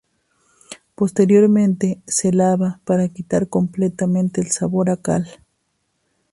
Posteriormente se lava para quitar completamente el sabor a cal.